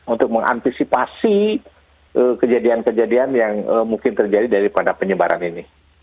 untuk mengantisipasi kejadian kejadian yang mungkin terjadi daripada penyebaran ini